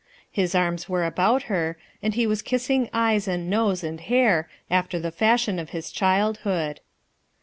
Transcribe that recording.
II U arms were about heTj and ho was kissing eyes and nose and hair after the fashion of his childhood.